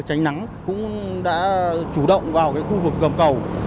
tránh nắng cũng đã chủ động vào khu vực gầm cầu